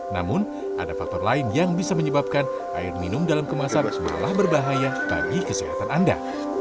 namun ada faktor lain yang bisa menyebabkan air minum dalam kemasan malah berbahaya bagi kesehatan anda